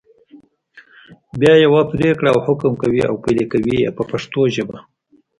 بیا یوه پرېکړه او حکم کوي او پلي یې کوي په پښتو ژبه.